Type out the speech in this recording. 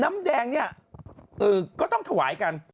น้ำแดงเนี่ยก็ต้องถวายกัน